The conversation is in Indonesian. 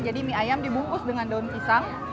jadi mie ayam dibungkus dengan daun pisang